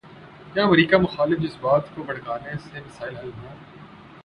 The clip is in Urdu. کیا امریکہ مخالف جذبات کو بھڑکانے سے مسائل حل ہوں۔